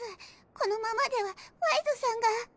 このままではワイズさんが。